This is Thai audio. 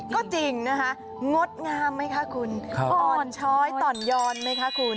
ก็จริงนะคะงดงามไหมคะคุณอ่อนช้อยต่อนยอนไหมคะคุณ